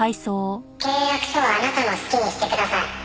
「契約書はあなたの好きにしてください」